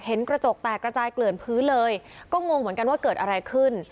กระจกแตกระจายเกลื่อนพื้นเลยก็งงเหมือนกันว่าเกิดอะไรขึ้น